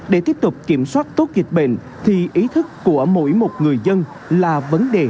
để tiếp tục kiểm soát tốt dịch bệnh thì ý thức của mỗi một người dân là vấn đề